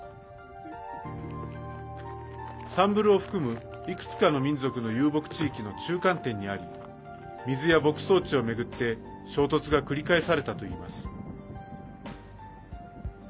サンブルを含むいくつかの民俗の遊牧地域の中間点にあり水や牧草地を巡って衝突が繰り返されたといいます。